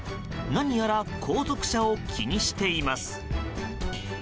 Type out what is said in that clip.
何やら後続車を気にしています。